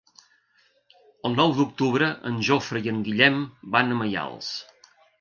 El nou d'octubre en Jofre i en Guillem van a Maials.